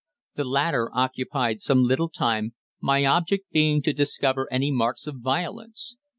The latter occupied some little time, my object being to discover any marks of violence.